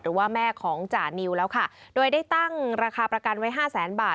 หรือว่าแม่ของจานิวแล้วค่ะโดยได้ตั้งราคาประกันไว้ห้าแสนบาท